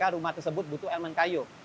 karena rumah tersebut butuh elemen kayu